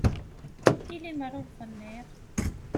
I lemmer ur telliḍ